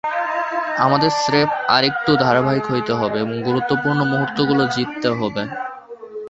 আমাদের স্রেফ আরেকটু ধারাবাহিক হতে হবে এবং গুরুত্বপূর্ণ মুহূর্তগুলো জিততে হবে।